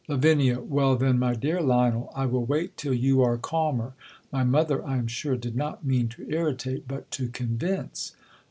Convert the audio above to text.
Lav, Well, then, my dear Lionel, I will wait till you are calmer: my mother, I am sure, did not mean to irritate, but to convince.